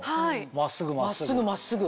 真っすぐ真っすぐ。